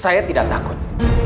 saya tidak takut